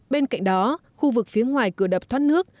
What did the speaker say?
bên cạnh đó khu vực phía ngoài cửa đập thoát nước